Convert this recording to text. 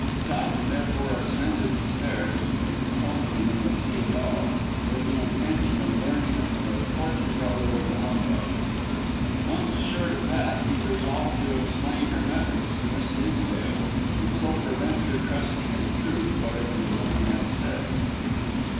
Towton therefore ascended the stairs to the consulting room of Diabella with the intention of learning if the fortune teller was a humbug. Once assured of that, he resolved to explain her methods to Miss Dimsdale and so prevent her trusting as truth whatever the woman had said.